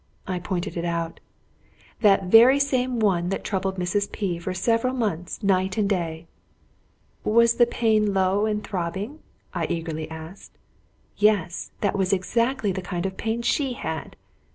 I pointed it out. "The very same one that troubled Mrs. P for several months, night and day." "Was the pain low and throbbing?" I eagerly asked. "Yes; that was exactly the kind of pain she had."